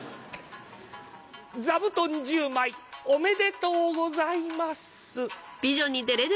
「座布団１０枚おめでとうございますっ」。